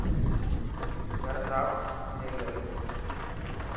گهر صاف ٿي گيو.